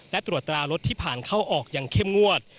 และตรวจตรารถที่ผ่านเข้าออกอย่างเข้มงวด